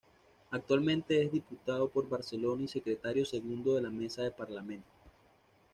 Actualmente es diputado por Barcelona y Secretario segundo de la Mesa del Parlament.